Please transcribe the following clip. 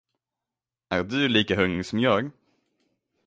Är du lika hungrig som jag?